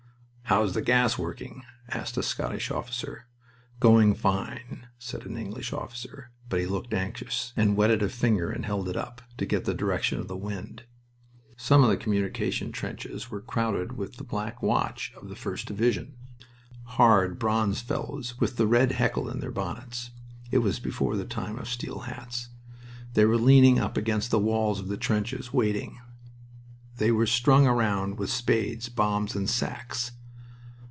"How's the gas working?" asked a Scottish officer. "Going fine!" said an English officer. But he looked anxious, and wetted a finger and held it up, to get the direction of the wind. Some of the communication trenches were crowded with the Black Watch of the 1st Division, hard, bronzed fellows, with the red heckle in their bonnets. (It was before the time of steel hats.) They were leaning up against the walls of the trenches, waiting. They were strung round with spades, bombs, and sacks.